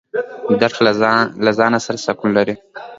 دښته له ځانه سره سکون لري.